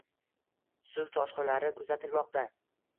suv toshqinlari kuzatilmoqda